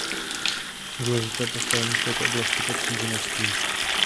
Důležité postavení v této oblasti patří vinařství.